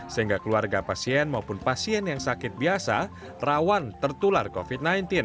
sehingga keluarga pasien maupun pasien yang sakit biasa rawan tertular covid sembilan belas